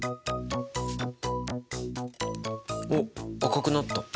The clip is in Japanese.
おっ赤くなった。